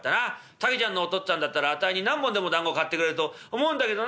竹ちゃんのお父っつぁんだったらあたいに何本でも団子買ってくれると思うんだけどな」。